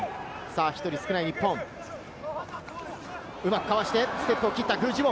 １人少ない日本、うまくかわして、ステップを切った具智元。